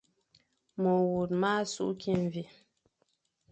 Mewur ma sukh mvi,